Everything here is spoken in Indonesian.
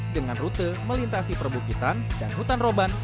dengan rute melintasi perbukitan dan hutan roban